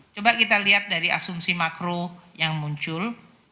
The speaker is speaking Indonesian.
coba kita lihat dari asumsi makro yang muncul